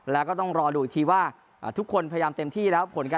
แล้วก็ต้องรอดูอีกทีว่า